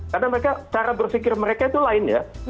karena cara berpikir mereka itu lain